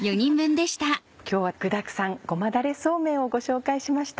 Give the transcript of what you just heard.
今日は「具だくさんごまだれそうめん」をご紹介しました。